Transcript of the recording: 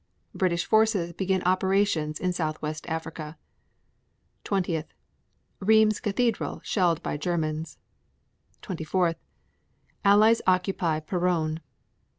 British forces begin operations in Southwest Africa. 20. Rheims cathedral shelled by Germans. 24. Allies occupy Peronne.